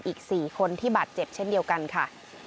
อีก๔คนที่บาดเจ็บเช่นเดียวกันค่ะ